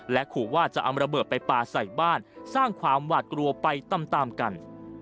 ขู่ว่าจะเอาระเบิดไปปลาใส่บ้านสร้างความหวาดกลัวไปตามกัน